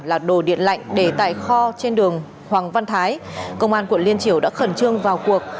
là đồ điện lạnh để tại kho trên đường hoàng văn thái công an quận liên triểu đã khẩn trương vào cuộc